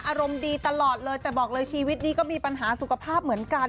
อารมณ์ดีตลอดเลยแต่บอกเลยชีวิตนี้ก็มีปัญหาสุขภาพเหมือนกัน